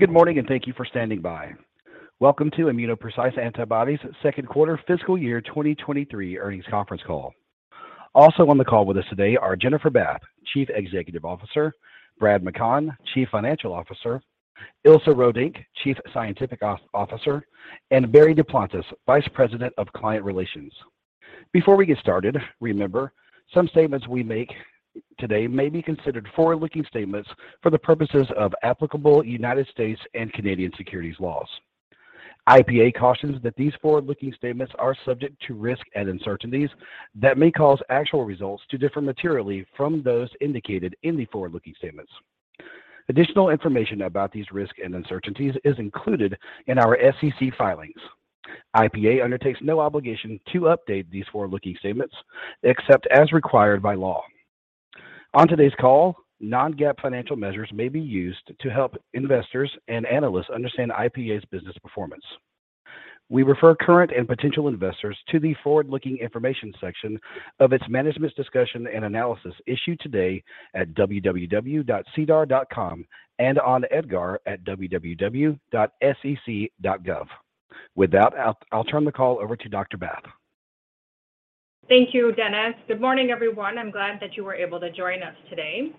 Good morning. Thank you for standing by. Welcome to ImmunoPrecise Antibodies' second quarter fiscal year 2023 earnings conference call. Also on the call with us today are Jennifer Bath, Chief Executive Officer, Brad McConn, Chief Financial Officer, Ilse Roodink, Chief Scientific Officer, and Barry Duplantis, Vice President of Client Relations. Before we get started, remember, some statements we make today may be considered forward-looking statements for the purposes of applicable United States and Canadian securities laws. IPA cautions that these forward-looking statements are subject to risks and uncertainties that may cause actual results to differ materially from those indicated in the forward-looking statements. Additional information about these risks and uncertainties is included in our SEC filings. IPA undertakes no obligation to update these forward-looking statements except as required by law. On today's call, non-GAAP financial measures may be used to help investors and analysts understand IPA's business performance. We refer current and potential investors to the Forward-Looking Information section of its management's discussion and analysis issued today at www.sedar.com and on EDGAR at www.sec.gov. With that, I'll turn the call over to Dr. Bath. Thank you, Dennis. Good morning, everyone. I'm glad that you were able to join us today.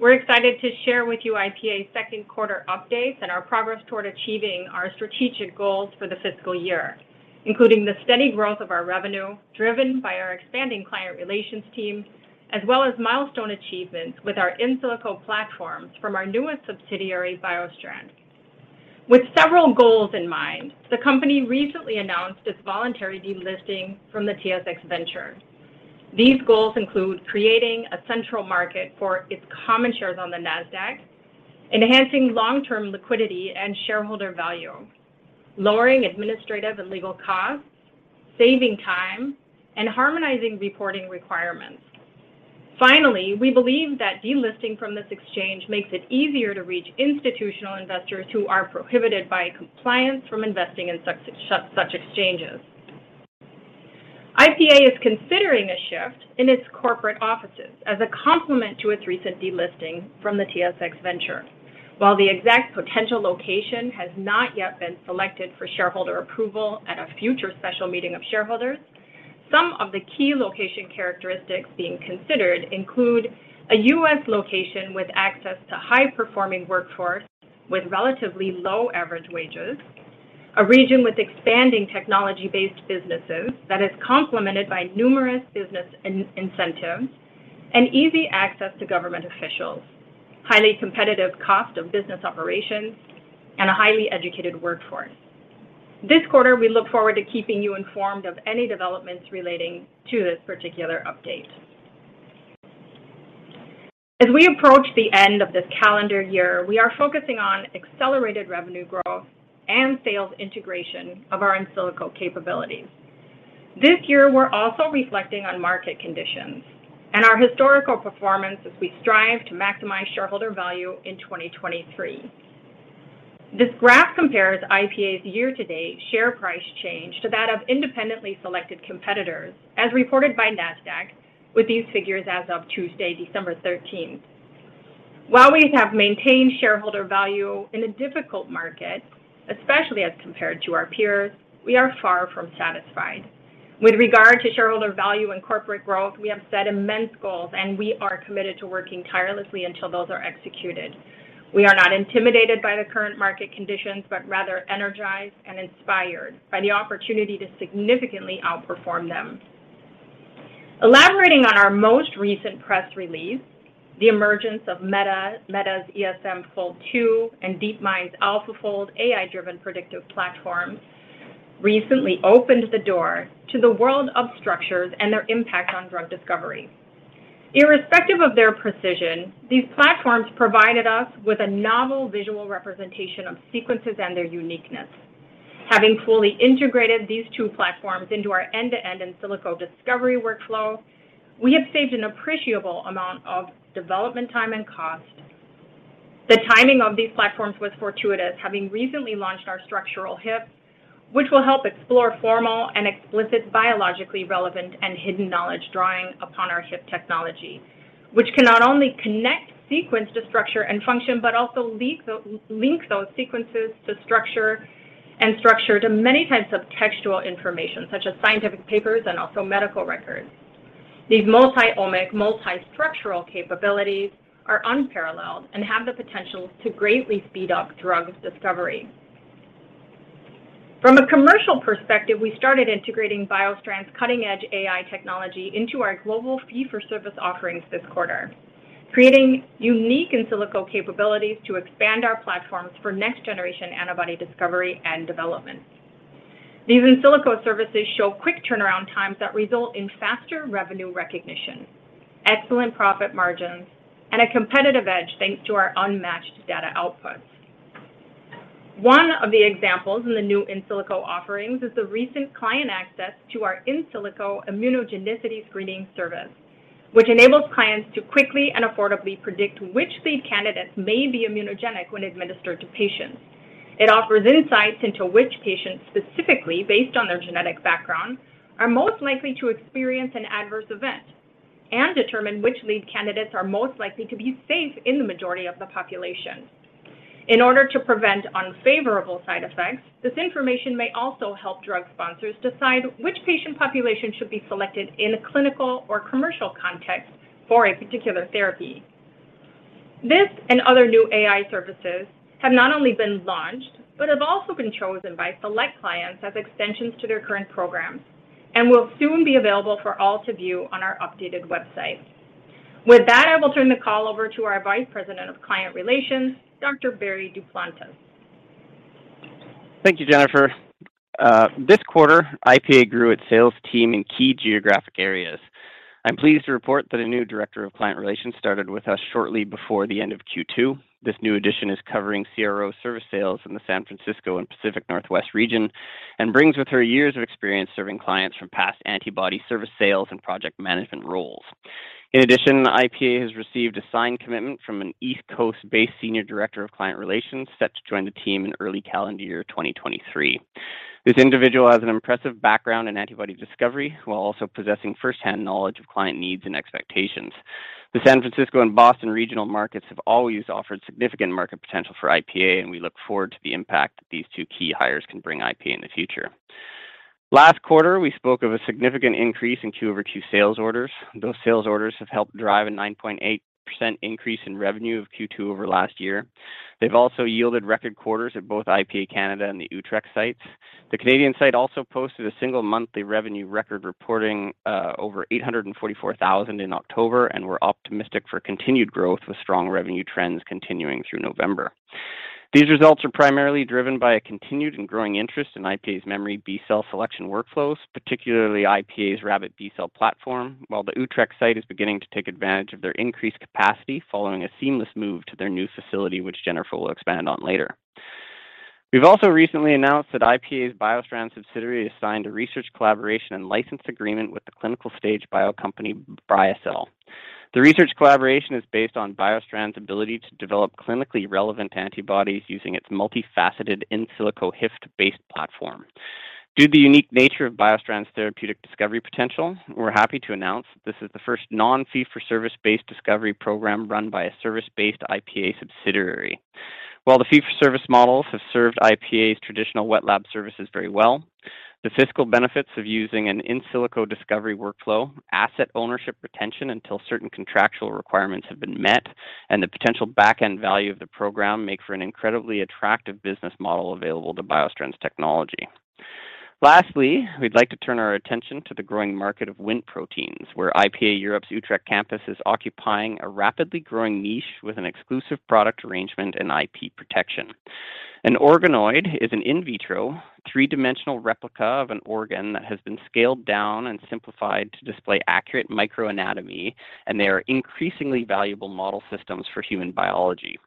We're excited to share with you IPA's second quarter updates and our progress toward achieving our strategic goals for the fiscal year, including the steady growth of our revenue, driven by our expanding client relations team, as well as milestone achievements with our in silico platforms from our newest subsidiary, BioStrand. With several goals in mind, the company recently announced its voluntary delisting from the TSX Venture. These goals include creating a central market for its common shares on the Nasdaq, enhancing long-term liquidity and shareholder value, lowering administrative and legal costs, saving time, and harmonizing reporting requirements. Finally, we believe that delisting from this exchange makes it easier to reach institutional investors who are prohibited by compliance from investing in such exchanges. IPA is considering a shift in its corporate offices as a complement to its recent delisting from the TSX Venture. While the exact potential location has not yet been selected for shareholder approval at a future special meeting of shareholders, some of the key location characteristics being considered include a U.S. location with access to high-performing workforce with relatively low average wages, a region with expanding technology-based businesses that is complemented by numerous business incentives and easy access to government officials, highly competitive cost of business operations, and a highly educated workforce. This quarter, we look forward to keeping you informed of any developments relating to this particular update. As we approach the end of this calendar year, we are focusing on accelerated revenue growth and sales integration of our in silico capabilities. This year, we're also reflecting on market conditions and our historical performance as we strive to maximize shareholder value in 2023. This graph compares IPA's year-to-date share price change to that of independently selected competitors, as reported by Nasdaq with these figures as of Tuesday, December 13th. While we have maintained shareholder value in a difficult market, especially as compared to our peers, we are far from satisfied. With regard to shareholder value and corporate growth, we have set immense goals. We are committed to working tirelessly until those are executed. We are not intimidated by the current market conditions. Rather energized and inspired by the opportunity to significantly outperform them. Elaborating on our most recent press release, the emergence of Meta's ESMFold2, and DeepMind's AlphaFold AI-driven predictive platforms recently opened the door to the world of structures and their impact on drug discovery. Irrespective of their precision, these platforms provided us with a novel visual representation of sequences and their uniqueness. Having fully integrated these two platforms into our end-to-end in silico discovery workflow, we have saved an appreciable amount of development time and cost. The timing of these platforms was fortuitous, having recently launched our structural HIP, which will help explore formal and explicit biologically relevant and hidden knowledge drawing upon our HIP technology, which can not only connect sequence to structure and function, but also link those sequences to structure and structure to many types of textual information, such as scientific papers and also medical records. These multi-omic, multi-structural capabilities are unparalleled and have the potential to greatly speed up drug discovery. From a commercial perspective, we started integrating BioStrand's cutting-edge AI technology into our global fee-for-service offerings this quarter, creating unique in silico capabilities to expand our platforms for next-generation antibody discovery and development. These in silico services show quick turnaround times that result in faster revenue recognition, excellent profit margins, and a competitive edge, thanks to our unmatched data outputs. One of the examples in the new in silico offerings is the recent client access to our in silico immunogenicity screening service, which enables clients to quickly and affordably predict which lead candidates may be immunogenic when administered to patients. It offers insights into which patients, specifically based on their genetic background, are most likely to experience an adverse event and determine which lead candidates are most likely to be safe in the majority of the population. In order to prevent unfavorable side effects, this information may also help drug sponsors decide which patient population should be selected in a clinical or commercial context for a particular therapy. This and other new AI services have not only been launched, but have also been chosen by select clients as extensions to their current programs, and will soon be available for all to view on our updated website. With that, I will turn the call over to our Vice President of Client Relations, Dr. Barry Duplantis. Thank you, Jennifer. This quarter, IPA grew its sales team in key geographic areas. I'm pleased to report that a new director of client relations started with us shortly before the end of Q2. This new addition is covering CRO service sales in the San Francisco and Pacific Northwest region, and brings with her years of experience serving clients from past antibody service sales and project management roles. In addition, IPA has received a signed commitment from an East Coast-based senior director of client relations set to join the team in early calendar year 2023. This individual has an impressive background in antibody discovery, while also possessing first-hand knowledge of client needs and expectations. The San Francisco and Boston regional markets have always offered significant market potential for IPA. We look forward to the impact that these two key hires can bring IPA in the future. Last quarter, we spoke of a significant increase in Q over Q sales orders. Those sales orders have helped drive a 9.8% increase in revenue of Q2 over last year. They've also yielded record quarters at both IPA Canada and the Utrecht sites. The Canadian site also posted a single monthly revenue record reporting over 844,000 in October, and we're optimistic for continued growth with strong revenue trends continuing through November. These results are primarily driven by a continued and growing interest in IPA's memory B-cell selection workflows, particularly IPA's Rabbit B-cell platform, while the Utrecht site is beginning to take advantage of their increased capacity following a seamless move to their new facility, which Jennifer will expand on later. We've also recently announced that IPA's BioStrand subsidiary has signed a research collaboration and license agreement with the clinical stage biocompany BriaCell. The research collaboration is based on BioStrand's ability to develop clinically relevant antibodies using its multifaceted in silico HYFT-based platform. Due to the unique nature of BioStrand's therapeutic discovery potential, we're happy to announce this is the first non-fee-for-service-based discovery program run by a service-based IPA subsidiary. While the fee-for-service models have served IPA's traditional wet lab services very well, the fiscal benefits of using an in silico discovery workflow, asset ownership retention until certain contractual requirements have been met, and the potential back-end value of the program make for an incredibly attractive business model available to BioStrand's technology. Lastly, we'd like to turn our attention to the growing market of Wnt proteins, where IPA Europe's Utrecht campus is occupying a rapidly growing niche with an exclusive product arrangement and IP protection. An organoid is an in vitro three-dimensional replica of an organ that has been scaled down and simplified to display accurate microanatomy, and they are increasingly valuable model systems for human biology.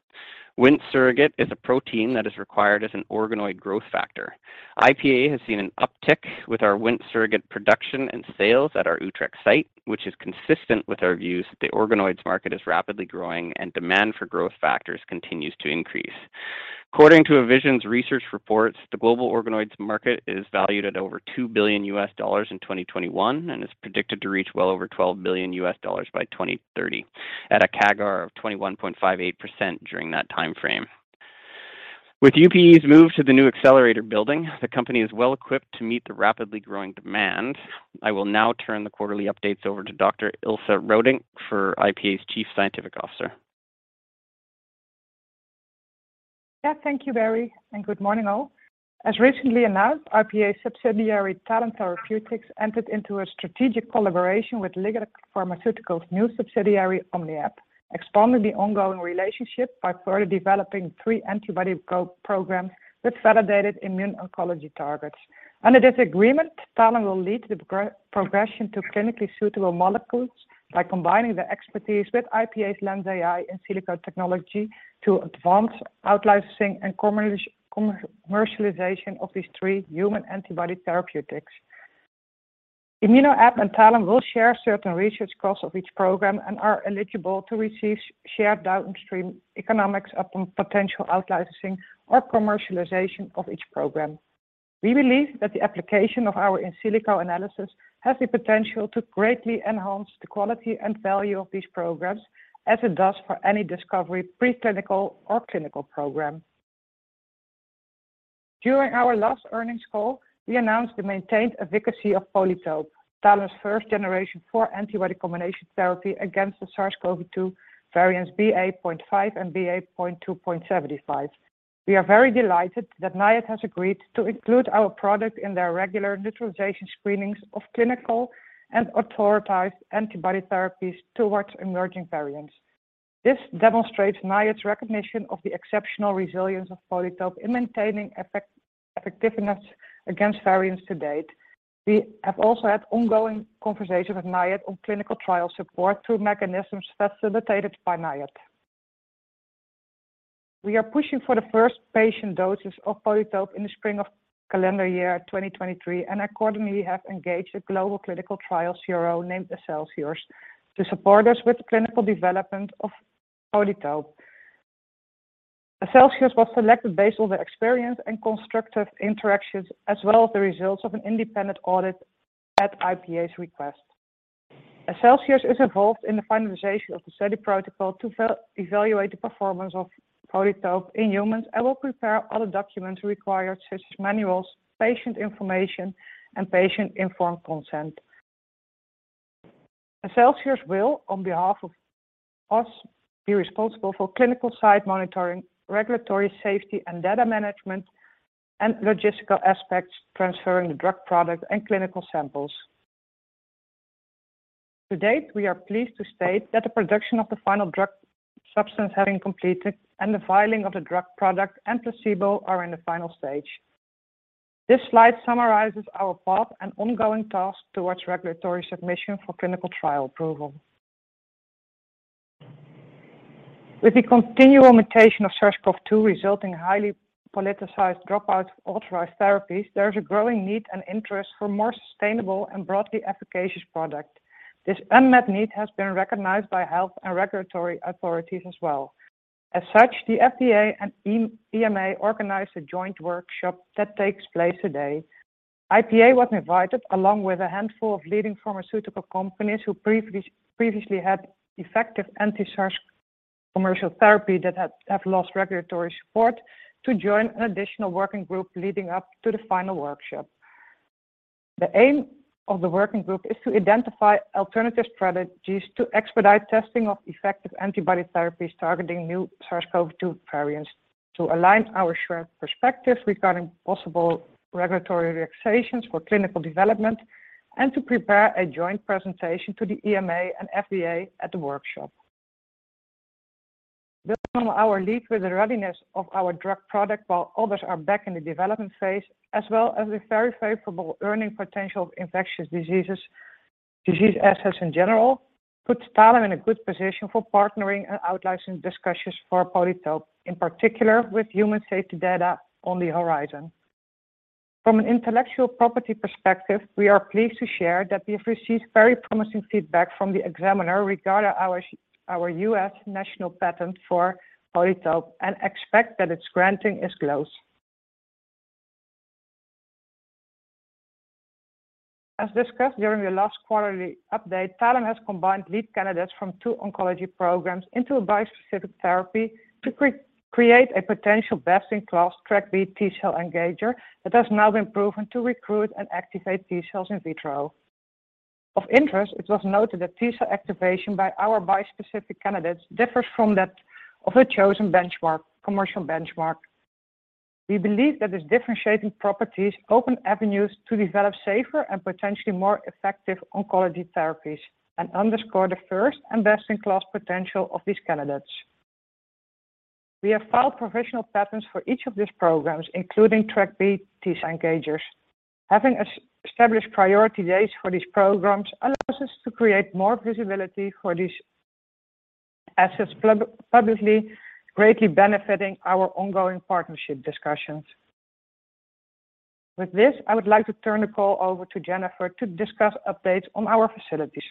Wnt surrogate is a protein that is required as an organoid growth factor. IPA has seen an uptick with our Wnt surrogate production and sales at our Utrecht site, which is consistent with our views that the organoids market is rapidly growing and demand for growth factors continues to increase. According to Evisions research reports, the global organoids market is valued at over $2 billion in 2021 and is predicted to reach well over $12 billion by 2030 at a CAGR of 21.58% during that time frame. With UPE's move to the new accelerator building, the company is well equipped to meet the rapidly growing demand. I will now turn the quarterly updates over to Dr. Ilse Roodink for IPA's Chief Scientific Officer. Yeah. Thank you, Barry, and good morning, all. As recently announced, IPA's subsidiary, Talem Therapeutics, entered into a strategic collaboration with Ligand Pharmaceuticals' new subsidiary, OmniAb, expanding the ongoing relationship by further developing three antibody programs with validated immuno-oncology targets. Under this agreement, Talem will lead the progression to clinically suitable molecules by combining the expertise with IPA's LENSai and in silico technology to advance out-licensing and commercialization of these three human antibody therapeutics. OmniAb and Talem will share certain research costs of each program and are eligible to receive shared downstream economics upon potential out-licensing or commercialization of each program. We believe that the application of our in silico analysis has the potential to greatly enhance the quality and value of these programs as it does for any discovery, preclinical, or clinical program. During our last earnings call, we announced the maintained efficacy of PolyTope, Talem's first generation four antibody combination therapy against the SARS-CoV-2 variants BA.5 and BA.2.75. We are very delighted that NIAID has agreed to include our product in their regular neutralization screenings of clinical and authorized antibody therapies towards emerging variants. This demonstrates NIAID's recognition of the exceptional resilience of PolyTope in maintaining effectiveness against variants to date. We have also had ongoing conversations with NIAID on clinical trial support through mechanisms facilitated by NIAID. We are pushing for the first patient doses of PolyTope in the spring of calendar year 2023. Accordingly have engaged a global clinical trial CRO named Accelsiors to support us with clinical development of PolyTope. CELSIUS was selected based on their experience and constructive interactions, as well as the results of an independent audit at IPA's request. CELSIUS is involved in the finalization of the study protocol to evaluate the performance of PolyTope in humans and will prepare other documents required, such as manuals, patient information, and patient-informed consent. CELSIUS will, on behalf of us, be responsible for clinical site monitoring, regulatory safety and data management, and logistical aspects transferring the drug product and clinical samples. To date, we are pleased to state that the production of the final drug substance having completed and the filing of the drug product and placebo are in the final stage. This slide summarizes our path and ongoing task towards regulatory submission for clinical trial approval. With the continual mutation of SARS-CoV-2 resulting in highly politicized drop out of authorized therapies, there is a growing need and interest for more sustainable and broadly efficacious product. This unmet need has been recognized by health and regulatory authorities as well. The FDA and EMA organized a joint workshop that takes place today. IPA was invited along with a handful of leading pharmaceutical companies who previously have lost regulatory support to join an additional working group leading up to the final workshop. The aim of the working group is to identify alternative strategies to expedite testing of effective antibody therapies targeting new SARS-CoV-2 variants to align our shared perspectives regarding possible regulatory relaxations for clinical development and to prepare a joint presentation to the EMA and FDA at the workshop. Building on our lead with the readiness of our drug product while others are back in the development phase, as well as the very favorable earning potential of infectious diseases, disease assets in general, puts Talem in a good position for partnering and out licensing discussions for PolyTope, in particular with human safety data on the horizon. From an intellectual property perspective, we are pleased to share that we have received very promising feedback from the examiner regarding our U.S. national patent for PolyTope and expect that its granting is close. As discussed during the last quarterly update, Talem has combined lead candidates from two oncology programs into a bispecific therapy to create a potential best-in-class TrkB T cell engager that has now been proven to recruit and activate T cells in vitro. Of interest, it was noted that T cell activation by our bispecific candidates differs from that of a chosen benchmark, commercial benchmark. We believe that these differentiating properties open avenues to develop safer and potentially more effective oncology therapies and underscore the first and best-in-class potential of these candidates. We have filed professional patents for each of these programs, including TrkB T cell engagers. Having established priority dates for these programs allows us to create more visibility for these assets publicly, greatly benefiting our ongoing partnership discussions. With this, I would like to turn the call over to Jennifer to discuss updates on our facilities.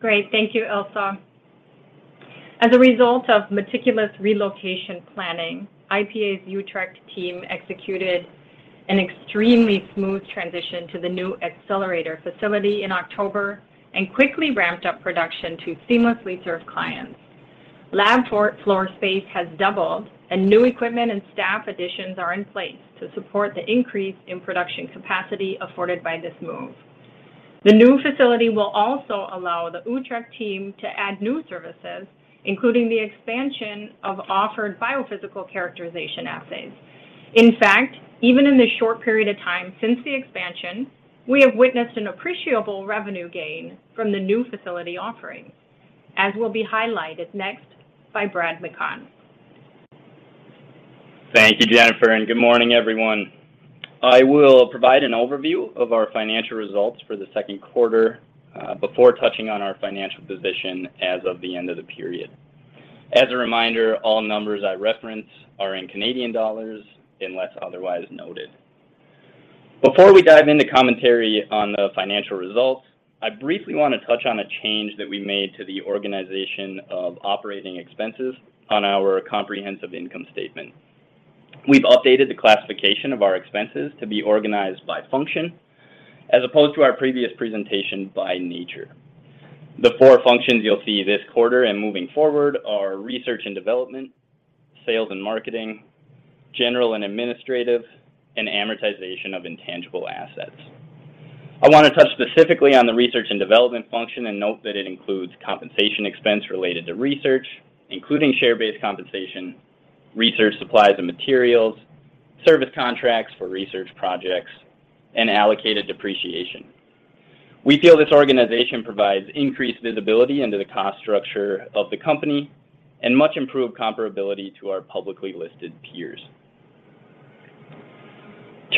Great. Thank you, Ilse. As a result of meticulous relocation planning, IPA's Utrecht team executed an extremely smooth transition to the new accelerator facility in October and quickly ramped up production to seamlessly serve clients. Floor space has doubled, and new equipment and staff additions are in place to support the increase in production capacity afforded by this move. The new facility will also allow the Utrecht team to add new services, including the expansion of offered biophysical characterization assays. In fact, even in this short period of time since the expansion, we have witnessed an appreciable revenue gain from the new facility offerings, as will be highlighted next by Brad McConn. Thank you, Jennifer, Good morning, everyone. I will provide an overview of our financial results for the second quarter, before touching on our financial position as of the end of the period. As a reminder, all numbers I reference are in Canadian dollars unless otherwise noted. Before we dive into commentary on the financial results, I briefly want to touch on a change that we made to the organization of operating expenses on our comprehensive income statement. We've updated the classification of our expenses to be organized by function as opposed to our previous presentation by nature. The four functions you'll see this quarter and moving forward are research and development, sales and marketing, general and administrative, and amortization of intangible assets. I want to touch specifically on the research and development function and note that it includes compensation expense related to research, including share-based compensation, research supplies and materials, service contracts for research projects, and allocated depreciation. We feel this organization provides increased visibility into the cost structure of the company and much improved comparability to our publicly listed peers.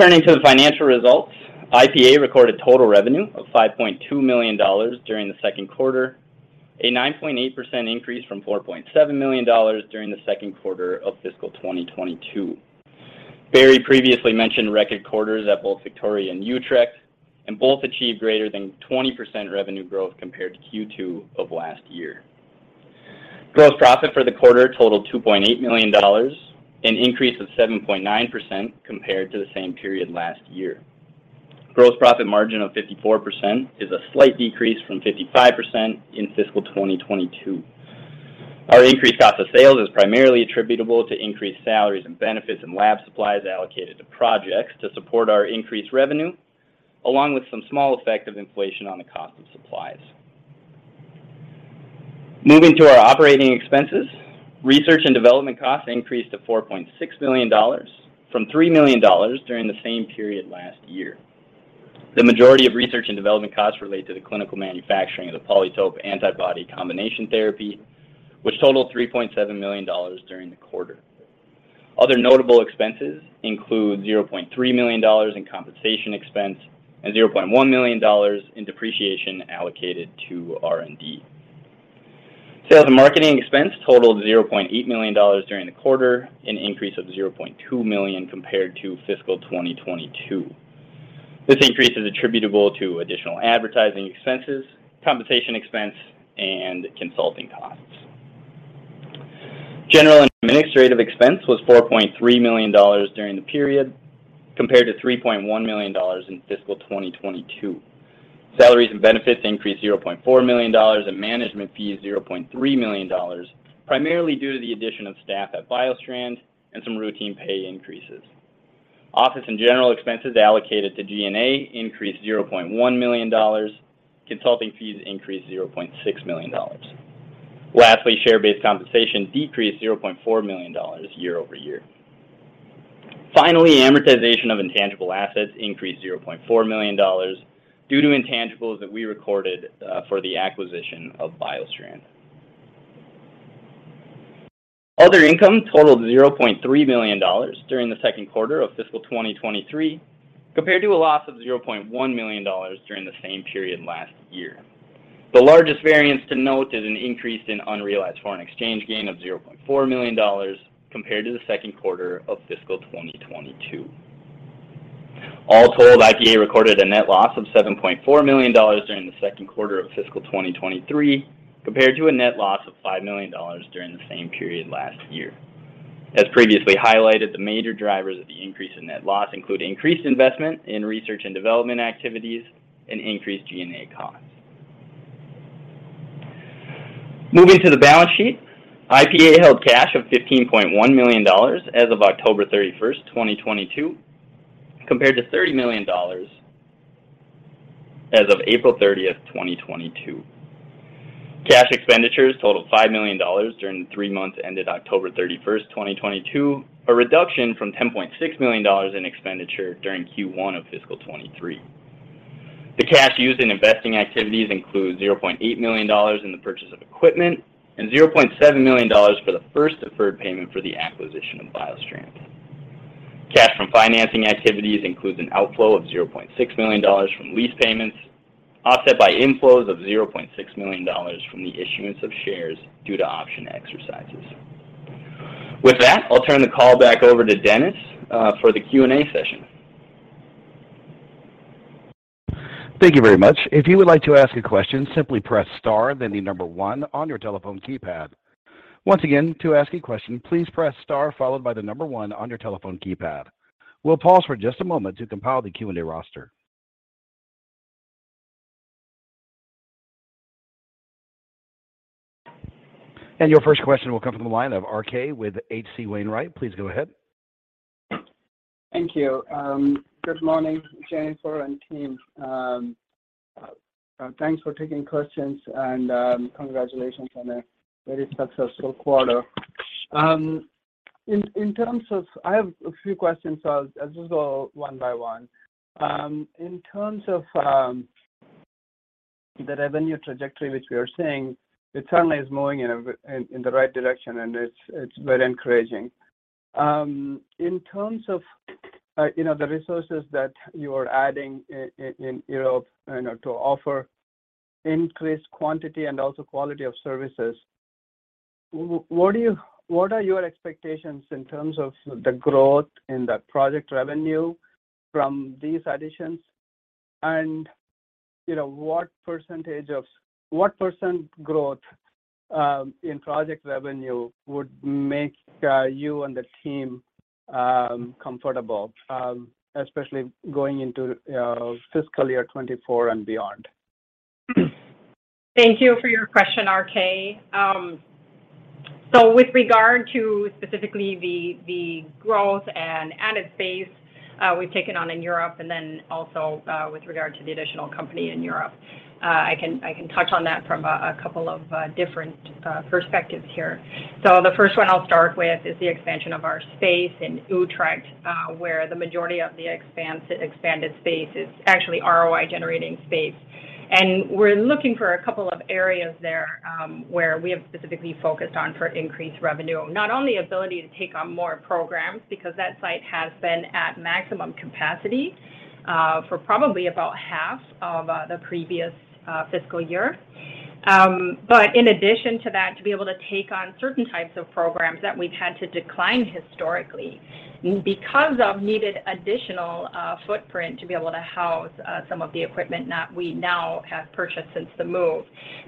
Turning to the financial results, IPA recorded total revenue of $5.2 million during the second quarter, a 9.8% increase from $4.7 million during the second quarter of fiscal 2022. Barry previously mentioned record quarters at both Victoria and Utrecht, and both achieved greater than 20% revenue growth compared to Q2 of last year. Gross profit for the quarter totaled $2.8 million, an increase of 7.9% compared to the same period last year. Gross profit margin of 54% is a slight decrease from 55% in fiscal 2022. Our increased cost of sales is primarily attributable to increased salaries and benefits and lab supplies allocated to projects to support our increased revenue, along with some small effect of inflation on the cost of supplies. Moving to our operating expenses, research and development costs increased to $4.6 million from $3 million during the same period last year. The majority of research and development costs relate to the clinical manufacturing of the PolyTope antibody combination therapy, which totaled $3.7 million during the quarter. Other notable expenses include $0.3 million in compensation expense and $0.1 million in depreciation allocated to R&D. Sales and marketing expense totaled $0.8 million during the quarter, an increase of $0.2 million compared to fiscal 2022. This increase is attributable to additional advertising expenses, compensation expense, and consulting costs. General and administrative expense was $4.3 million during the period, compared to $3.1 million in fiscal 2022. Salaries and benefits increased $0.4 million, and management fees $0.3 million, primarily due to the addition of staff at BioStrand and some routine pay increases. Office and general expenses allocated to G&A increased $0.1 million. Consulting fees increased $0.6 million. Lastly, share-based compensation decreased $0.4 million year-over-year. Finally, amortization of intangible assets increased $0.4 million due to intangibles that we recorded for the acquisition of BioStrand. Other income totaled $0.3 million during the second quarter of fiscal 2023, compared to a loss of $0.1 million during the same period last year. The largest variance to note is an increase in unrealized foreign exchange gain of $0.4 million compared to the second quarter of fiscal 2022. All told, IPA recorded a net loss of $7.4 million during the second quarter of fiscal 2023, compared to a net loss of $5 million during the same period last year. As previously highlighted, the major drivers of the increase in net loss include increased investment in research and development activities and increased G&A costs. Moving to the balance sheet, IPA held cash of $15.1 million as of October 31, 2022, compared to $30 million as of April 30, 2022. Cash expenditures totaled $5 million during the three months ended October 31st, 2022, a reduction from $10.6 million in expenditure during Q1 of fiscal 2023. The cash used in investing activities includes $0.8 million in the purchase of equipment and $0.7 million for the first deferred payment for the acquisition of BioStrand. Cash from financing activities includes an outflow of $0.6 million from lease payments, offset by inflows of $0.6 million from the issuance of shares due to option exercises. With that, I'll turn the call back over to Dennis for the Q&A session. Thank you very much. If you would like to ask a question, simply press star, then the number one on your telephone keypad. Once again, to ask a question, please press star followed by the number one on your telephone keypad. We'll pause for just a moment to compile the Q&A roster. Your first question will come from the line of RK with H.C. Wainwright. Please go ahead. Thank you. Good morning, Jennifer and team. Thanks for taking questions and congratulations on a very successful quarter. In terms of... I have a few questions. I'll just go one by one. In terms of the revenue trajectory, which we are seeing, it certainly is moving in the right direction, and it's very encouraging. In terms of, you know, the resources that you are adding in Europe, you know, to offer increased quantity and also quality of services, what are your expectations in terms of the growth in the project revenue from these additions? You know, what percent growth in project revenue would make you and the team comfortable, especially going into fiscal year 2024 and beyond? Thank you for your question, RK. So with regard to specifically the growth and added space we've taken on in Europe and then also with regard to the additional company in Europe, I can touch on that from a couple of different perspectives here. The first one I'll start with is the expansion of our space in Utrecht, where the majority of the expanded space is actually ROI-generating space. And we're looking for a couple of areas there, where we have specifically focused on for increased revenue, not only ability to take on more programs, because that site has been at maximum capacity for probably about half of the previous fiscal year In addition to that, to be able to take on certain types of programs that we've had to decline historically because of needed additional footprint to be able to house some of the equipment that we now have purchased since the move.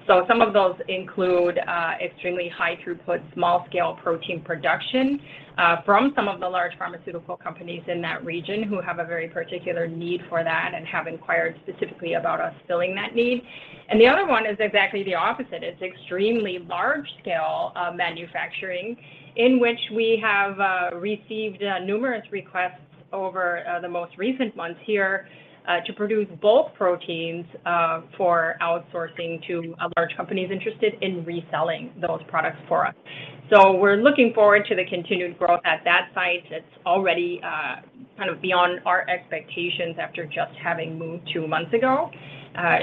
Some of those include extremely high throughput, small scale protein production from some of the large pharmaceutical companies in that region who have a very particular need for that and have inquired specifically about us filling that need. The other one is exactly the opposite. It's extremely large scale manufacturing in which we have received numerous requests over the most recent months here to produce bulk proteins for outsourcing to a large company is interested in reselling those products for us. We're looking forward to the continued growth at that site. It's already, kind of beyond our expectations after just having moved two months ago.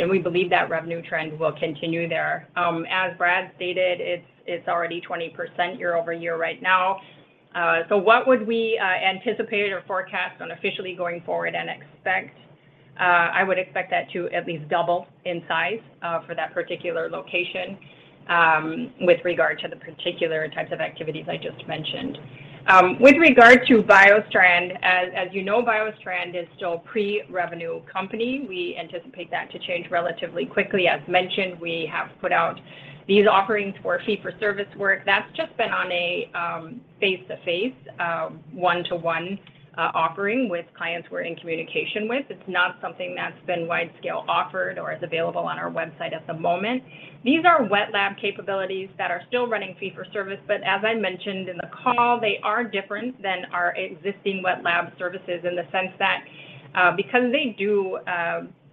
We believe that revenue trend will continue there. As Brad stated, it's already 20% year-over-year right now. What would we anticipate or forecast on officially going forward and expect? I would expect that to at least double in size for that particular location with regard to the particular types of activities I just mentioned. With regard to BioStrand, as you know, BioStrand is still pre-revenue company. We anticipate that to change relatively quickly. As mentioned, we have put out these offerings for fee for service work that's just been on a face-to-face, one-to-one offering with clients we're in communication with. It's not something that's been wide scale offered or is available on our website at the moment. These are wet lab capabilities that are still running fee for service. As I mentioned in the call, they are different than our existing wet lab services in the sense that because they do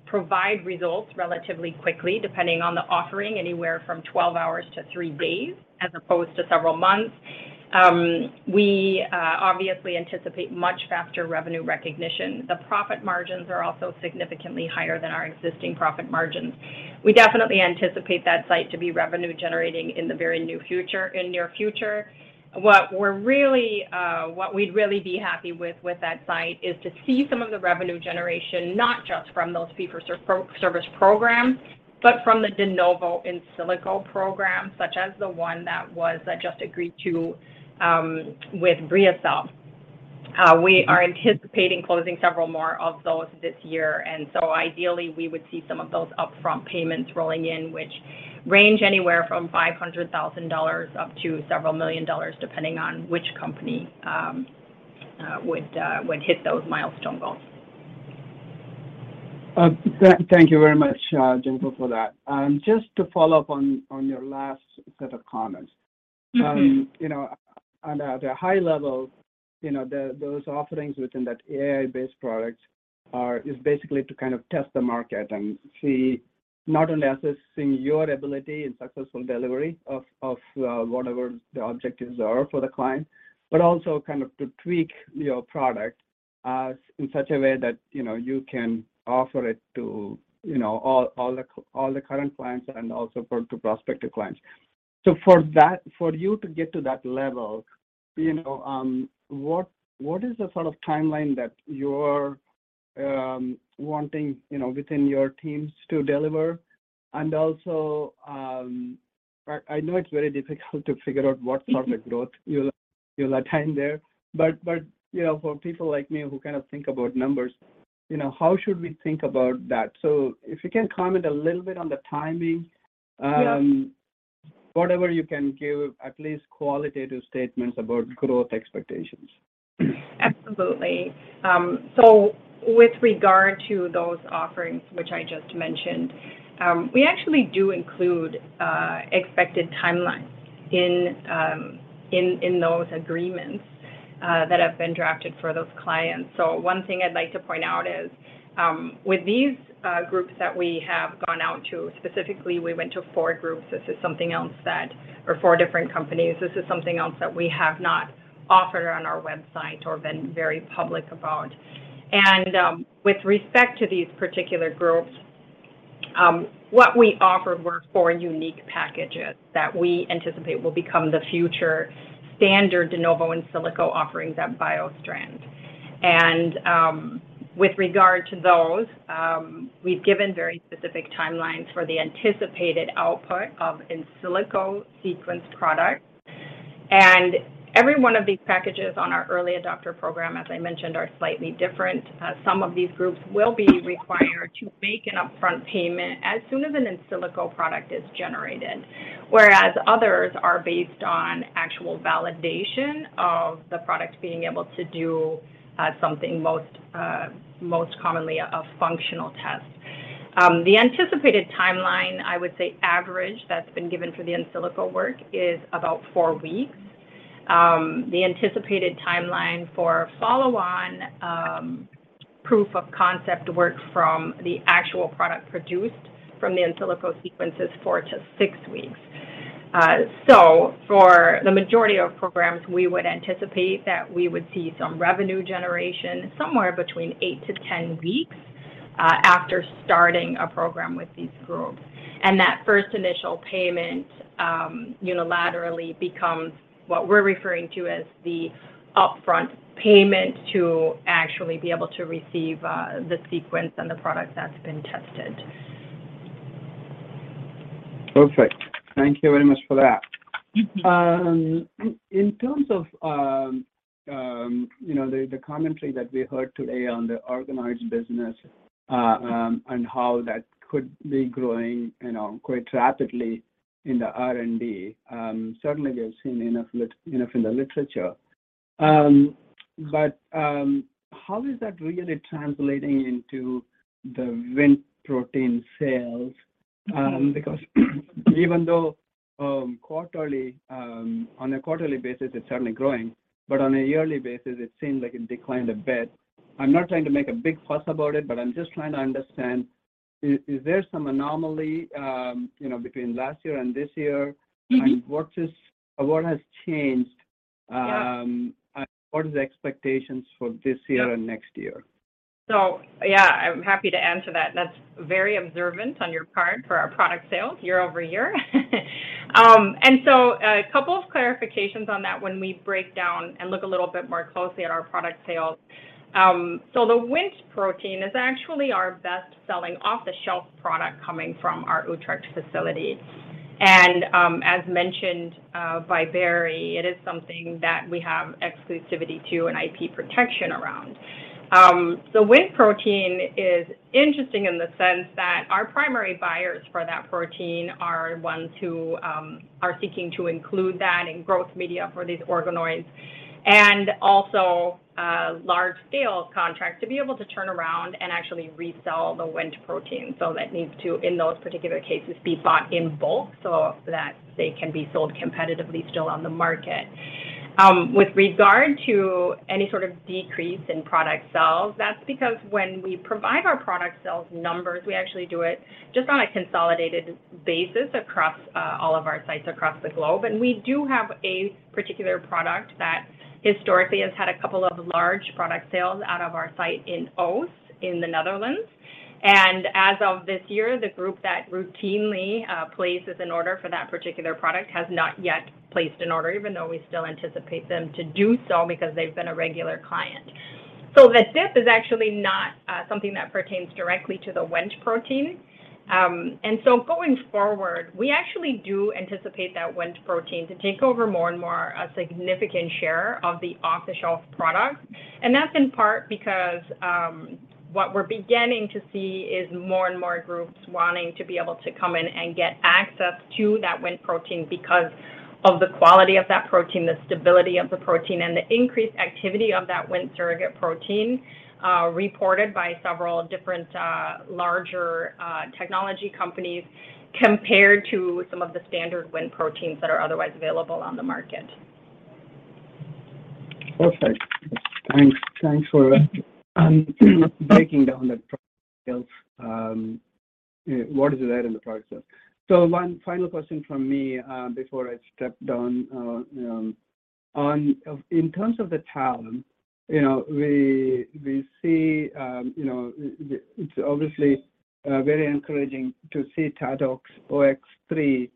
provide results relatively quickly, depending on the offering, anywhere from 12 hours to three days, as opposed to several months, we obviously anticipate much faster revenue recognition. The profit margins are also significantly higher than our existing profit margins. We definitely anticipate that site to be revenue generating in the near future. What we're really, what we'd really be happy with that site is to see some of the revenue generation, not just from those fee for service programs, but from the de novo in silico programs such as the one that just agreed to with BriaCell. we are anticipating closing several more of those this year, and so ideally we would see some of those upfront payments rolling in, which range anywhere from $500,000 up to several million dollars, depending on which company would hit those milestone goals. Thank you very much, Jennifer, for that. Just to follow up on your last set of comments. Mm-hmm. you know, at a high level, you know, those offerings within that AI-based products are, is basically to kind of test the market and see not only assessing your ability and successful delivery of whatever the objectives are for the client, but also kind of to tweak your product in such a way that, you know, you can offer it to, you know, all the current clients and also for, to prospective clients. For that, for you to get to that level, you know, what is the sort of timeline that you are wanting, you know, within your teams to deliver? I know it's very difficult to figure out what sort of growth you'll attain there, but, you know, for people like me who kind of think about numbers, you know, how should we think about that? If you can comment a little bit on the timing. Yeah. Whatever you can give at least qualitative statements about growth expectations. Absolutely. With regard to those offerings, which I just mentioned, we actually do include expected timelines in those agreements that have been drafted for those clients. One thing I'd like to point out is with these groups that we have gone out to, specifically, we went to four groups. This is something else that, or four different companies. This is something else that we have not offered on our website or been very public about. With respect to these particular groups, what we offered were four unique packages that we anticipate will become the future standard de novo in silico offerings at BioStrand. With regard to those, we've given very specific timelines for the anticipated output of in silico sequenced products. Every one of these packages on our early adopter program, as I mentioned, are slightly different. Some of these groups will be required to make an upfront payment as soon as an in silico product is generated, whereas others are based on actual validation of the product being able to do something most commonly a functional test. The anticipated timeline, I would say average that's been given for the in silico work is about four weeks. The anticipated timeline for follow on proof of concept work from the actual product produced from the in silico sequence is four to six weeks. For the majority of programs, we would anticipate that we would see some revenue generation somewhere between eight to 10 weeks after starting a program with these groups. That first initial payment, unilaterally becomes what we're referring to as the upfront payment to actually be able to receive, the sequence and the product that's been tested. Perfect. Thank you very much for that. Mm-hmm. In terms of, you know, the commentary that we heard today on the organoid business, and how that could be growing, you know, quite rapidly in the R&D, certainly, we've seen enough in the literature. How is that really translating into the Wnt protein sales? Mm-hmm. Even though, quarterly, on a quarterly basis, it's certainly growing, but on a yearly basis it seems like it declined a bit. I'm not trying to make a big fuss about it, but I'm just trying to understand, is there some anomaly, you know, between last year and this year? Mm-hmm What has changed. Yeah What is the expectations for this year and next year? Yeah, I'm happy to answer that. That's very observant on your part for our product sales year-over-year. A couple of clarifications on that when we break down and look a little bit more closely at our product sales. The Wnt protein is actually our best-selling off-the-shelf product coming from our Utrecht facility. As mentioned by Barry, it is something that we have exclusivity to and IP protection around. The Wnt protein is interesting in the sense that our primary buyers for that protein are ones who are seeking to include that in growth media for these organoids and also large-scale contracts to be able to turn around and actually resell the Wnt protein. That needs to, in those particular cases, be bought in bulk so that they can be sold competitively still on the market. With regard to any sort of decrease in product sales, that's because when we provide our product sales numbers, we actually do it just on a consolidated basis across all of our sites across the globe. We do have a particular product that historically has had a couple of large product sales out of our site in Oss, in the Netherlands. As of this year, the group that routinely places an order for that particular product has not yet placed an order, even though we still anticipate them to do so because they've been a regular client. The dip is actually not something that pertains directly to the Wnt protein. Going forward, we actually do anticipate that Wnt protein to take over more and more a significant share of the off-the-shelf product. That's in part because what we're beginning to see is more and more groups wanting to be able to come in and get access to that Wnt protein because of the quality of that protein, the stability of the protein, and the increased activity of that Wnt surrogate protein reported by several different larger technology companies compared to some of the standard Wnt proteins that are otherwise available on the market. Perfect. Thanks. Thanks for breaking down the product sales. What is there in the process? One final question from me before I step down. In terms of the TALEN, you know, we see, you know, the, it's obviously very encouraging to see TATX-03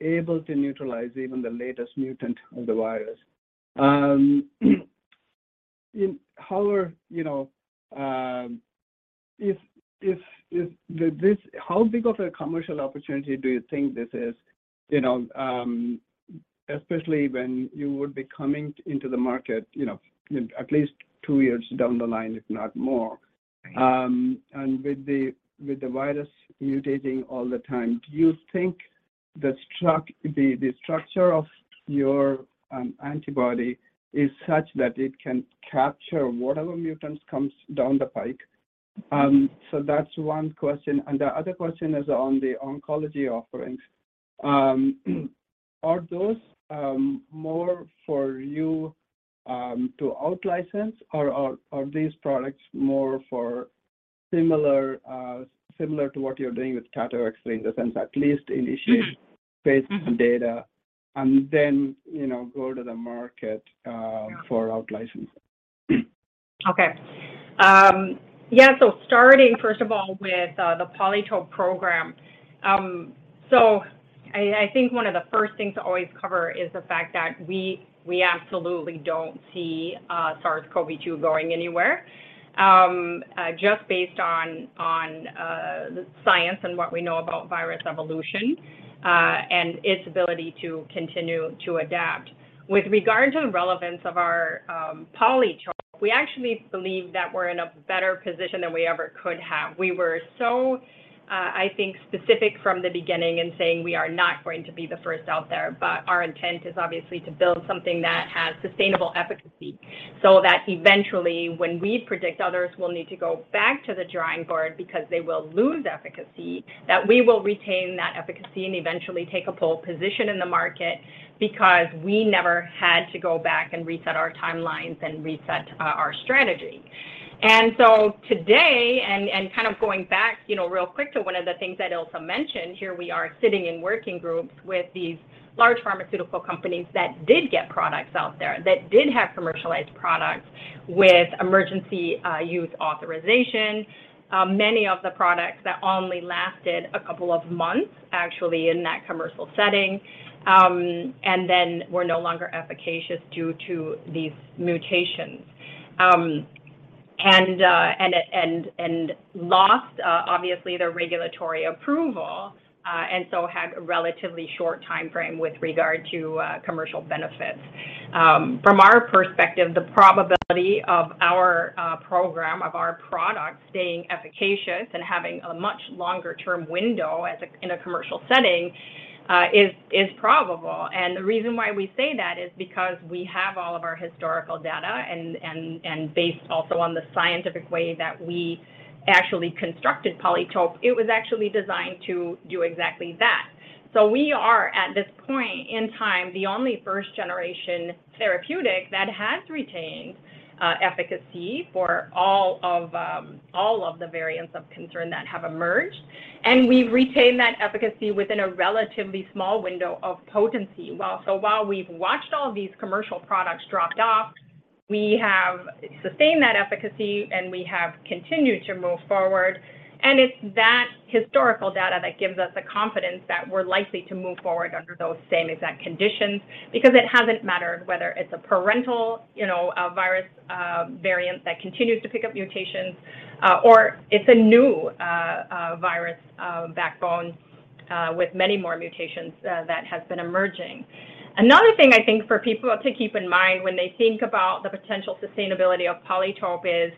able to neutralize even the latest mutant of the virus. How big of a commercial opportunity do you think this is, you know, especially when you would be coming into the market, you know, at least 2 years down the line, if not more? Right. With the virus mutating all the time, do you think the structure of your antibody is such that it can capture whatever mutants comes down the pike? That's one question. The other question is on the oncology offerings. Are those more for you to outlicense or are these products more for similar to what you're doing with TATX in the sense, at least based on data and then, you know, go to the market? Yeah for outlicense? Okay. Yeah. Starting first of all with the PolyTope program. I think one of the first things to always cover is the fact that we absolutely don't see SARS-CoV-2 going anywhere, just based on the science and what we know about virus evolution and its ability to continue to adapt. With regard to the relevance of our PolyTope, we actually believe that we're in a better position than we ever could have. We were so, I think, specific from the beginning in saying we are not going to be the first out there, but our intent is obviously to build something that has sustainable efficacy so that eventually when we predict others will need to go back to the drawing board because they will lose efficacy, that we will retain that efficacy and eventually take a pole position in the market because we never had to go back and reset our timelines and reset, our strategy. Today, and kind of going back, you know, real quick to one of the things that Ilse mentioned, here we are sitting in working groups with these large pharmaceutical companies that did get products out there, that did have commercialized products with emergency, use authorization. Many of the products that only lasted a couple of months actually in that commercial setting, and then were no longer efficacious due to these mutations. It lost, obviously their regulatory approval, and so had a relatively short time frame with regard to commercial benefits. From our perspective, the probability of our program, of our product staying efficacious and having a much longer term window as in a commercial setting, is probable. The reason why we say that is because we have all of our historical data and based also on the scientific way that we actually constructed PolyTope, it was actually designed to do exactly that. We are, at this point in time, the only first-generation therapeutic that has retained efficacy for all of all of the variants of concern that have emerged. We've retained that efficacy within a relatively small window of potency. While we've watched all these commercial products dropped off, we have sustained that efficacy, and we have continued to move forward. It's that historical data that gives us the confidence that we're likely to move forward under those same exact conditions because it hasn't mattered whether it's a parental, you know, a virus, variant that continues to pick up mutations, or it's a new virus, backbone, with many more mutations that has been emerging. Another thing I think for people to keep in mind when they think about the potential sustainability of PolyTope is,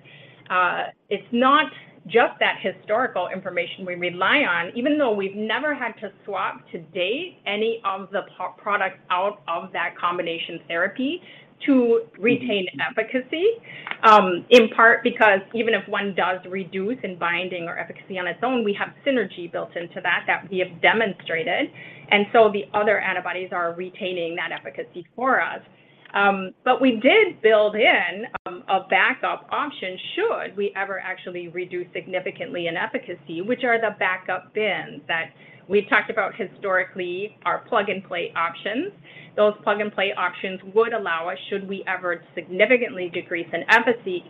it's not just that historical information we rely on, even though we've never had to swap to date any of the products out of that combination therapy to retain efficacy, in part because even if one does reduce in binding or efficacy on its own, we have synergy built into that we have demonstrated. The other antibodies are retaining that efficacy for us. We did build in a backup option should we ever actually reduce significantly in efficacy, which are the backup bins that we've talked about historically are plug-and-play options. Those plug-and-play options would allow us, should we ever significantly decrease in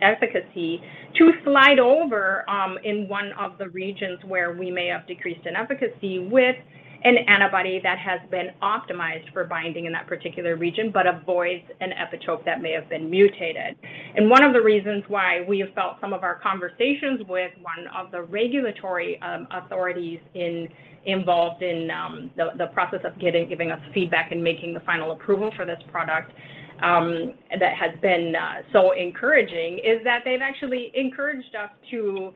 efficacy, to slide over in one of the regions where we may have decreased in efficacy with an antibody that has been optimized for binding in that particular region, but avoids an epitope that may have been mutated. One of the reasons why we have felt some of our conversations with one of the regulatory authorities involved in the process of giving us feedback and making the final approval for this product that has been so encouraging is that they've actually encouraged us to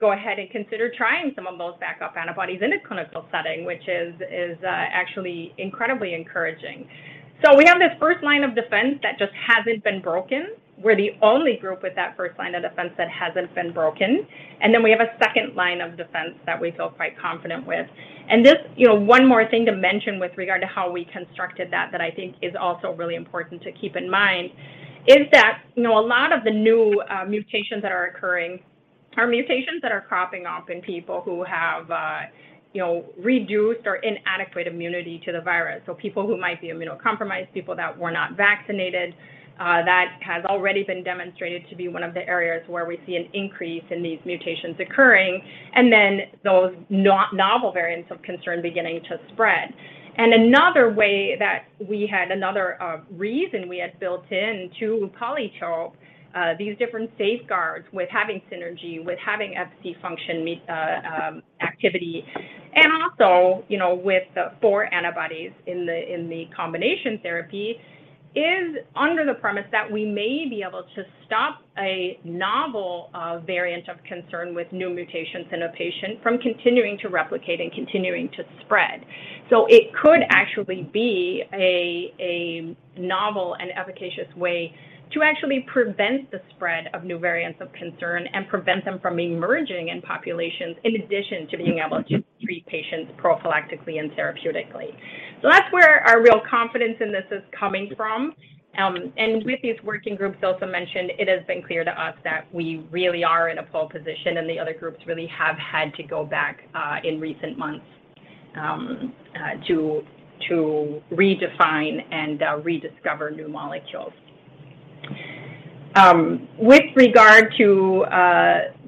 go ahead and consider trying some of those backup antibodies in a clinical setting, which is actually incredibly encouraging. We have this first line of defense that just hasn't been broken. We're the only group with that first line of defense that hasn't been broken. We have a second line of defense that we feel quite confident with. This, you know, one more thing to mention with regard to how we constructed that I think is also really important to keep in mind is that, you know, a lot of the new mutations that are occurring are mutations that are cropping up in people who have, you know, reduced or inadequate immunity to the virus. People who might be immunocompromised, people that were not vaccinated, that has already been demonstrated to be one of the areas where we see an increase in these mutations occurring, and then those novel variants of concern beginning to spread. Another way that we had another reason we had built in to PolyTope, these different safeguards with having synergy, with having Fc function, activity, and also, you know, with the four antibodies in the, in the combination therapy, is under the premise that we may be able to stop a novel variant of concern with new mutations in a patient from continuing to replicate and continuing to spread. It could actually be a novel and efficacious way to actually prevent the spread of new variants of concern and prevent them from emerging in populations, in addition to being able to treat patients prophylactically and therapeutically. That's where our real confidence in this is coming from. With these working groups also mentioned, it has been clear to us that we really are in a pole position, and the other groups really have had to go back in recent months to redefine and rediscover new molecules. With regard to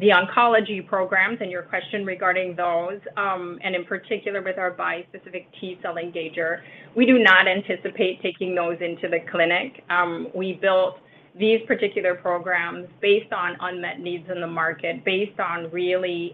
the oncology programs and your question regarding those, and in particular with our bispecific T-cell engager, we do not anticipate taking those into the clinic. We built these particular programs based on unmet needs in the market, based on really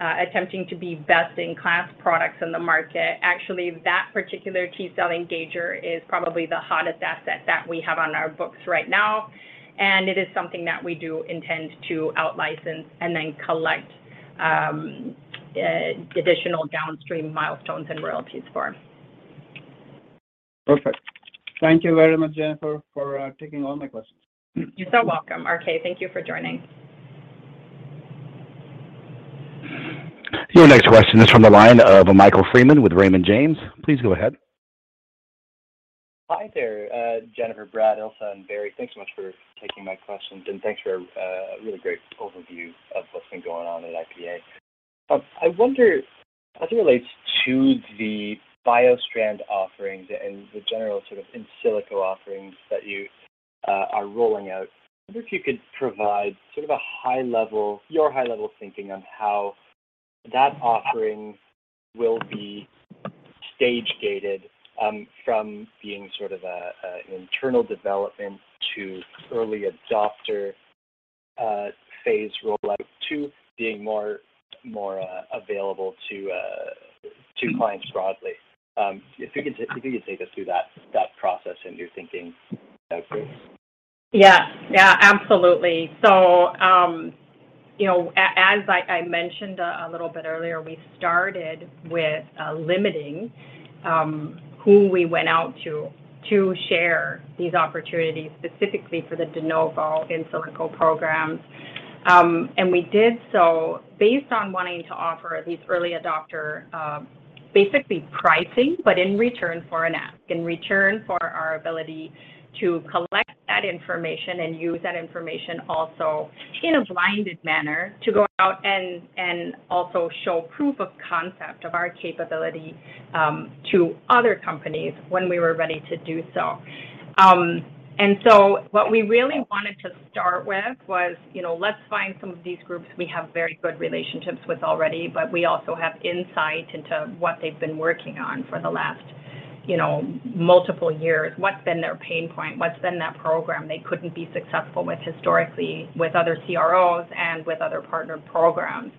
attempting to be best-in-class products in the market. Actually, that particular T-cell engager is probably the hottest asset that we have on our books right now, and it is something that we do intend to out-license and then collect additional downstream milestones and royalties for. Perfect. Thank you very much, Jennifer, for taking all my questions. You're so welcome, RK. Thank you for joining. Your next question is from the line of Michael Freeman with Raymond James. Please go ahead. Hi there, Jennifer, Brad, Ilse, and Barry. Thanks so much for taking my questions, and thanks for a really great overview of what's been going on at IPA. I wonder as it relates to the BioStrand offerings and the general sort of in silico offerings that you are rolling out, I wonder if you could provide sort of your high-level thinking on how that offering will be Stage-gated from being sort of a internal development to early adopter phase rollout to being more available to clients broadly. If you could take us through that process and your thinking, that would be great. Yeah. Yeah, absolutely. You know, as I mentioned a little bit earlier, we started with limiting who we went out to share these opportunities specifically for the de novo in silico programs. We did so based on wanting to offer these early adopter basically pricing, but in return for our ability to collect that information and use that information also in a blinded manner to go out and also show proof of concept of our capability to other companies when we were ready to do so. What we really wanted to start with was, you know, let's find some of these groups we have very good relationships with already, but we also have insight into what they've been working on for the last, you know, multiple years, what's been their pain point, what's been that program they couldn't be successful with historically with other CROs and with other partner programs,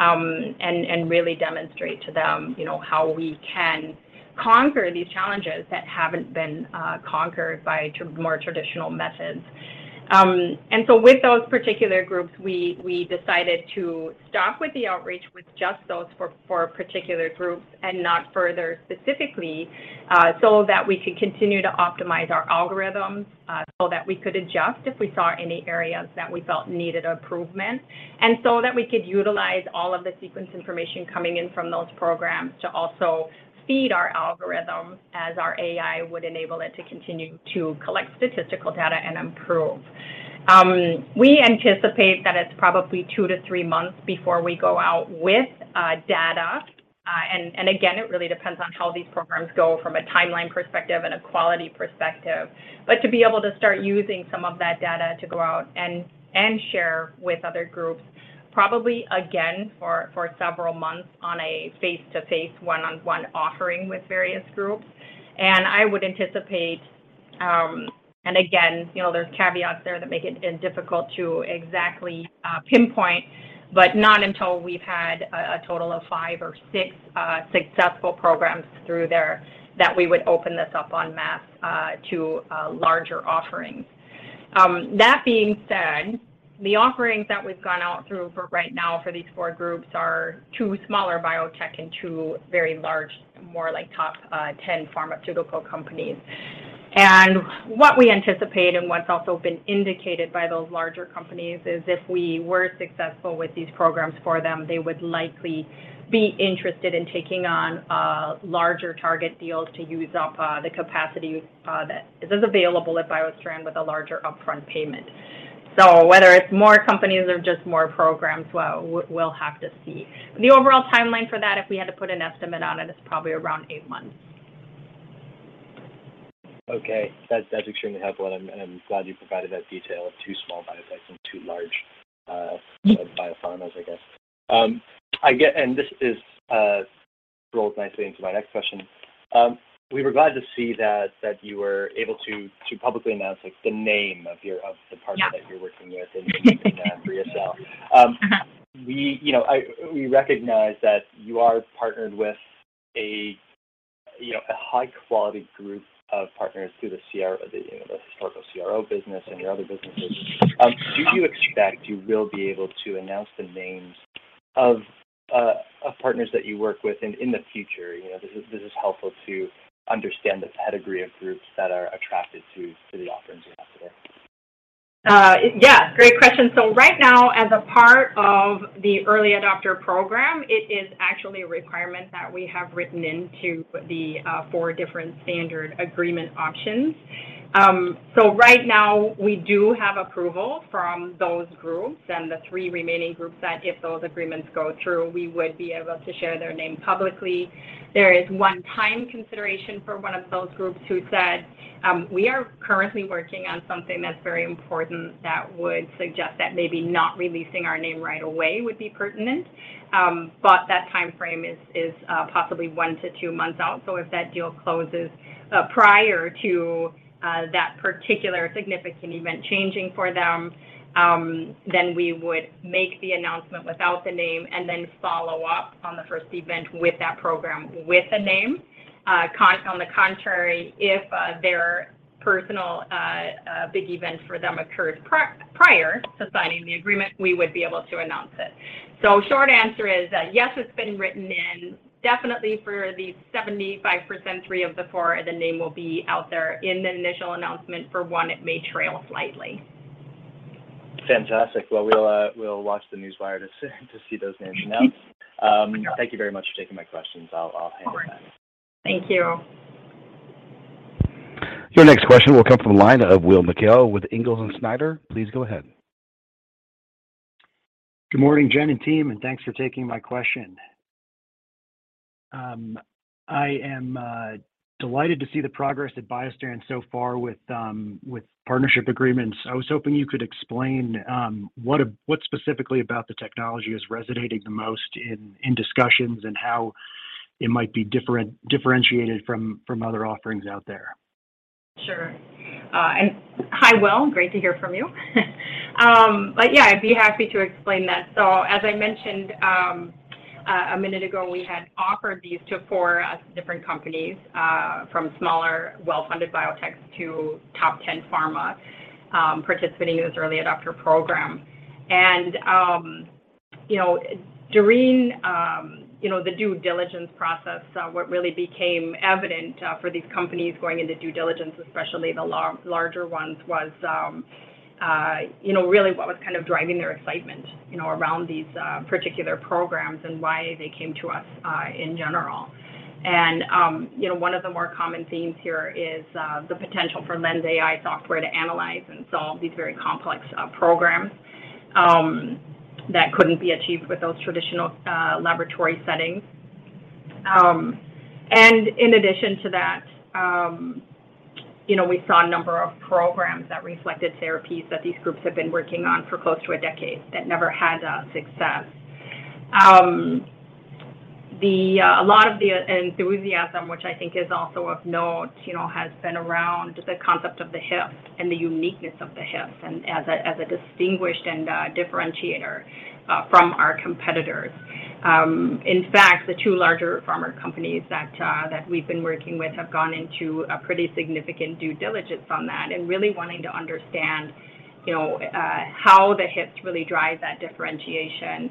and really demonstrate to them, you know, how we can conquer these challenges that haven't been conquered by more traditional methods. With those particular groups, we decided to start with the outreach with just those for a particular group and not further specifically, so that we could continue to optimize our algorithms, so that we could adjust if we saw any areas that we felt needed improvement, and so that we could utilize all of the sequence information coming in from those programs to also feed our algorithm as our AI would enable it to continue to collect statistical data and improve. We anticipate that it's probably two to three months before we go out with data. Again, it really depends on how these programs go from a timeline perspective and a quality perspective. To be able to start using some of that data to go out and share with other groups, probably again for several months on a face-to-face, one-on-one offering with various groups. I would anticipate, and again, you know, there's caveats there that make it difficult to exactly pinpoint, but not until we've had a total of five or six successful programs through there that we would open this up on mass to larger offerings. That being said, the offerings that we've gone out through for right now for these four groups are two smaller biotech and two very large, more like top 10 pharmaceutical companies. What we anticipate and what's also been indicated by those larger companies is if we were successful with these programs for them, they would likely be interested in taking on larger target deals to use up the capacity that is available at BioStrand with a larger upfront payment. Whether it's more companies or just more programs, well, we'll have to see. The overall timeline for that, if we had to put an estimate on it, is probably around eight months. Okay. That's extremely helpful, and I'm glad you provided that detail of two small biotechs and two large. Mm-hmm Biopharmas, I guess. This is, rolls nicely into my next question. We were glad to see that you were able to publicly announce, like, the name of the partner- Yeah. That you're working with and making that for yourself. We, you know, we recognize that you are partnered with a, you know, a high quality group of partners through the, you know, the historical CRO business and your other businesses. Do you expect you will be able to announce the names of partners that you work with in the future? You know, this is helpful to understand the pedigree of groups that are attracted to the offerings you have today. Yeah, great question. Right now, as a part of the early adopter program, it is actually a requirement that we have written into the four different standard agreement options. Right now, we do have approval from those groups and the three remaining groups that if those agreements go through, we would be able to share their name publicly. There is one time consideration for one of those groups who said, "We are currently working on something that's very important that would suggest that maybe not releasing our name right away would be pertinent." But that timeframe is, possibly one to two months out. If that deal closes, prior to that particular significant event changing for them, then we would make the announcement without the name and then follow up on the first event with that program with a name. On the contrary, if their personal big event for them occurs prior to signing the agreement, we would be able to announce it. Short answer is, yes, it's been written in. Definitely for the 75%, three of the four, the name will be out there in the initial announcement. For one, it may trail slightly. Fantastic. Well, we'll watch the newswire to see those names announced. Thank you very much for taking my questions. I'll hang up then. Thank you. Your next question will come from the line of Will McHale with Ingalls & Snyder. Please go ahead. Good morning, Jen and team, and thanks for taking my question. I am delighted to see the progress at BioStrand so far with partnership agreements. I was hoping you could explain what specifically about the technology is resonating the most in discussions and how it might be differentiated from other offerings out there. Sure. Hi, Will. Great to hear from you. Yeah, I'd be happy to explain that. As I mentioned a minute ago, we had offered these to four different companies, from smaller well-funded biotechs to top 10 pharma, participating in this early adopter program. You know, during, you know, the due diligence process, what really became evident for these companies going into due diligence, especially the larger ones, was, you know, really what was kind of driving their excitement, you know, around these particular programs and why they came to us in general. You know, one of the more common themes here is the potential for LENSai software to analyze and solve these very complex programs that couldn't be achieved with those traditional laboratory settings. In addition to that, you know, we saw a number of programs that reflected therapies that these groups have been working on for close to a decade that never had success. A lot of the enthusiasm, which I think is also of note, you know, has been around the concept of the Hyft and the uniqueness of the Hyft and as a distinguished and a differentiator from our competitors. In fact, the two larger pharma companies that we've been working with have gone into a pretty significant due diligence on that and really wanting to understand, you know, how the Hyft really drives that differentiation.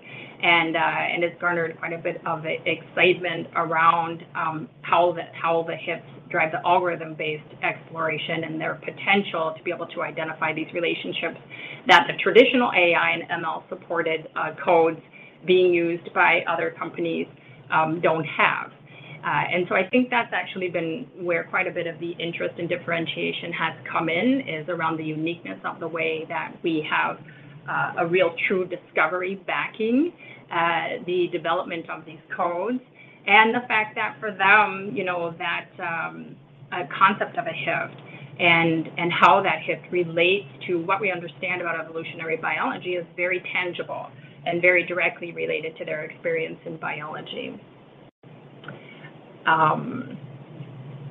It's garnered quite a bit of excitement around how the, how the Hyft drives the algorithm-based exploration and their potential to be able to identify these relationships that the traditional AI and ML-supported codes being used by other companies don't have. I think that's actually been where quite a bit of the interest and differentiation has come in, is around the uniqueness of the way that we have a real true discovery backing the development of these codes and the fact that for them, you know, that concept of a Hyft and how that Hyft relates to what we understand about evolutionary biology is very tangible and very directly related to their experience in biology.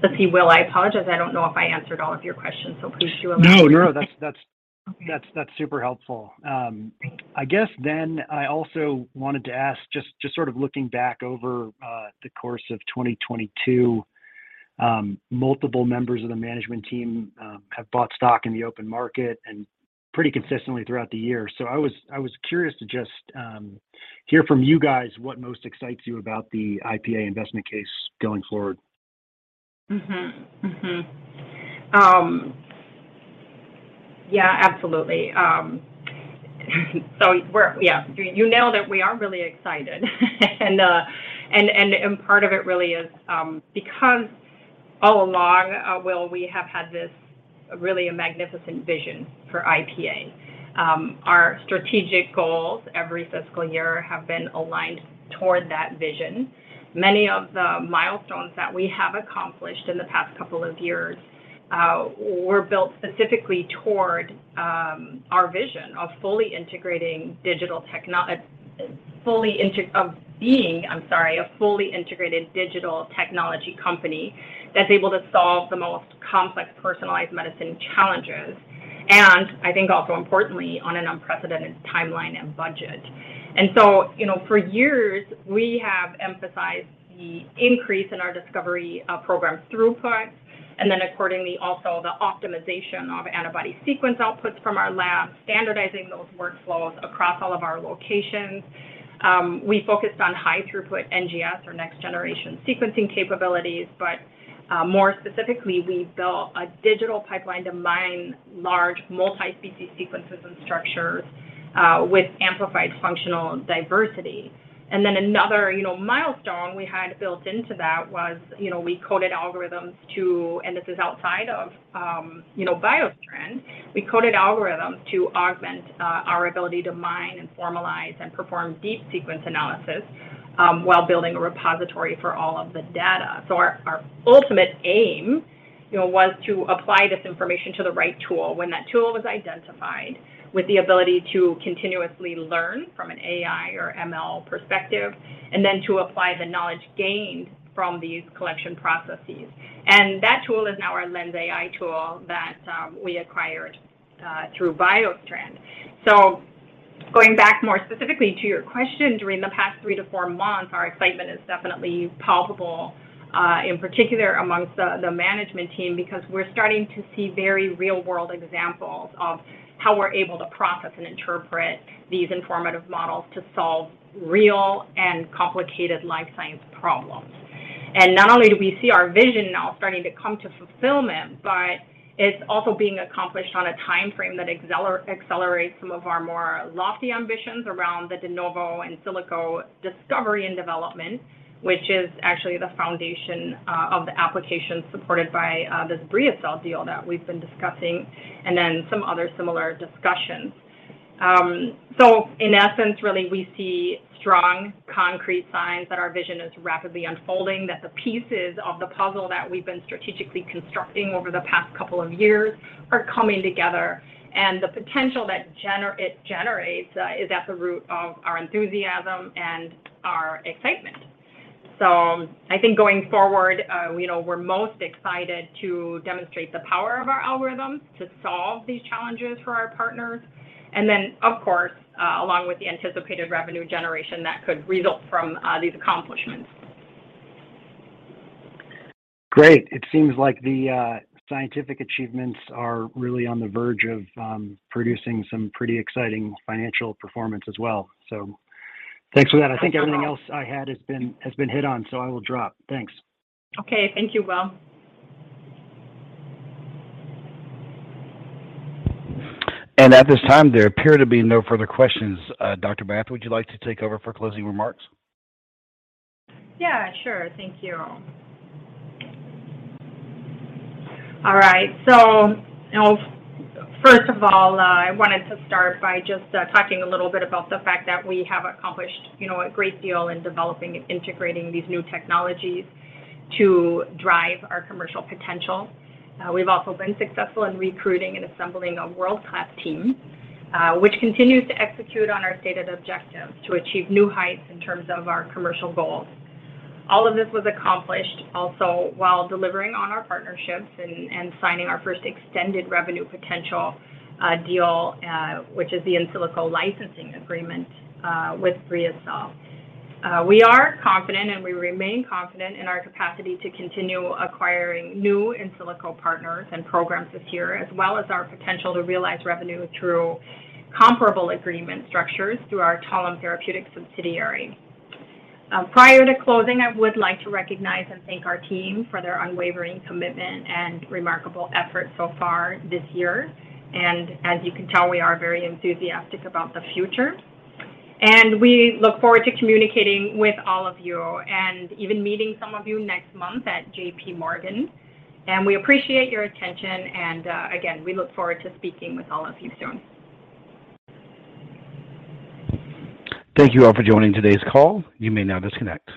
Let's see, Will McHale, I apologize. I don't know if I answered all of your questions, so please do let me know. No, that's super helpful. I guess I also wanted to ask, just sort of looking back over the course of 2022, multiple members of the management team have bought stock in the open market and pretty consistently throughout the year. I was curious to just hear from you guys what most excites you about the IPA investment case going forward? Yeah, absolutely. Yeah, you know that we are really excited. Part of it really is because all along, Will, we have had this really a magnificent vision for IPA. Our strategic goals every fiscal year have been aligned toward that vision. Many of the milestones that we have accomplished in the past couple of years were built specifically toward our vision of fully integrating of being, I'm sorry, a fully integrated digital technology company that's able to solve the most complex personalized medicine challenges, and I think also importantly, on an unprecedented timeline and budget. You know, for years, we have emphasized the increase in our discovery program throughput, and then accordingly also the optimization of antibody sequence outputs from our lab, standardizing those workflows across all of our locations. We focused on high-throughput NGS or next-generation sequencing capabilities, but more specifically, we built a digital pipeline to mine large multi-species sequences and structures with amplified functional diversity. Another, you know, milestone we had built into that was, you know, we coded algorithms and this is outside of, you know, BioStrand. We coded algorithms to augment our ability to mine and formalize and perform deep sequence analysis while building a repository for all of the data. Our, our ultimate aim, you know, was to apply this information to the right tool when that tool was identified with the ability to continuously learn from an AI or ML perspective, and then to apply the knowledge gained from these collection processes. That tool is now our LENSai tool that we acquired through BioStrand. Going back more specifically to your question, during the past three to four months, our excitement is definitely palpable in particular amongst the management team because we're starting to see very real-world examples of how we're able to process and interpret these informative models to solve real and complicated life science problems. Not only do we see our vision now starting to come to fulfillment, but it's also being accomplished on a timeframe that accelerates some of our more lofty ambitions around the de novo in silico discovery and development, which is actually the foundation of the application supported by the BriaCell deal that we've been discussing, and then some other similar discussions. In essence, really, we see strong concrete signs that our vision is rapidly unfolding, that the pieces of the puzzle that we've been strategically constructing over the past couple of years are coming together. The potential that it generates is at the root of our enthusiasm and our excitement. I think going forward, you know, we're most excited to demonstrate the power of our algorithms to solve these challenges for our partners and then, of course, along with the anticipated revenue generation that could result from these accomplishments. Great. It seems like the scientific achievements are really on the verge of producing some pretty exciting financial performance as well. Thanks for that. I think everything else I had has been hit on, so I will drop. Thanks. Okay. Thank you, Will. At this time, there appear to be no further questions. Dr. Bath, would you like to take over for closing remarks? Yeah, sure. Thank you. All right. Now, first of all, I wanted to start by just talking a little bit about the fact that we have accomplished, you know, a great deal in developing and integrating these new technologies to drive our commercial potential. We've also been successful in recruiting and assembling a world-class team, which continues to execute on our stated objectives to achieve new heights in terms of our commercial goals. All of this was accomplished also while delivering on our partnerships and signing our first extended revenue potential deal, which is the in silico licensing agreement with BriaCell. We are confident and we remain confident in our capacity to continue acquiring new in silico partners and programs this year, as well as our potential to realize revenue through comparable agreement structures through our Talem Therapeutics subsidiary. Prior to closing, I would like to recognize and thank our team for their unwavering commitment and remarkable effort so far this year. As you can tell, we are very enthusiastic about the future, and we look forward to communicating with all of you and even meeting some of you next month at JPMorgan. We appreciate your attention. Again, we look forward to speaking with all of you soon. Thank you all for joining today's call. You may now disconnect.